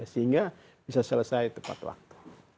sehingga bisa selesai tepat waktu